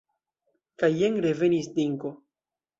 Kaj jen revenis Dinko.